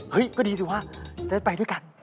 เฮ่ยก็ดีสิว่าจะไปด้วยกัน